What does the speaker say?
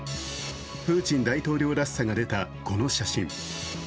プーチン大統領らしさが出たこの写真。